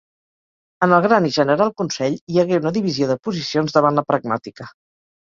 En el Gran i General Consell hi hagué una divisió de posicions davant la pragmàtica.